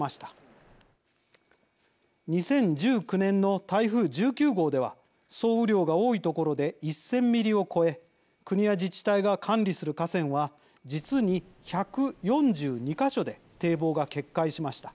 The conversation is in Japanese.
２０１９年の台風１９号では総雨量が多い所で１，０００ミリを超え国や自治体が管理する河川は実に１４２か所で堤防が決壊しました。